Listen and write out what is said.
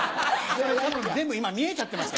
全部今見えちゃってました。